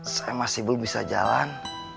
saya masih belum bisa jalan